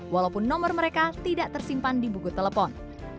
walaupun nomor mereka tidak tersimpan di buku telepon